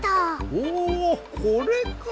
おこれか！